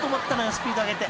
スピード上げて］